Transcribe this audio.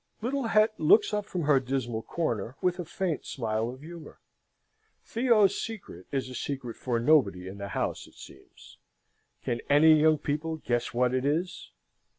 Little Het looks up from her dismal corner with a faint smile of humour. Theo's secret is a secret for nobody in the house, it seems. Can any young people guess what it is?